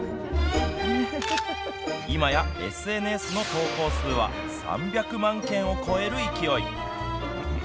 今やＳＮＳの投稿数は３００万件を超える勢い。